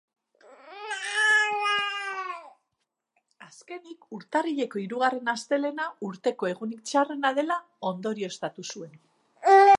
Azkenik, urtarrileko hirugarren astelehena urteko egunik txarrena dela ondorioztatu zuen.